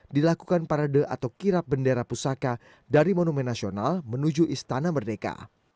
dilakukan parade atau kirap bendera pusaka dari monumen nasional menuju istana merdeka